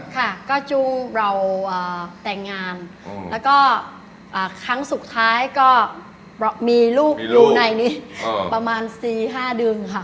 ค่ะก็จู้เราแต่งงานแล้วก็ครั้งสุดท้ายก็มีลูกอยู่ในนี้ประมาณ๔๕เดือนค่ะ